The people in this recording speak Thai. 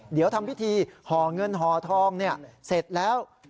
เดี๋ยวทำพิธีห่อเงินห่อทองเสร็จแล้ว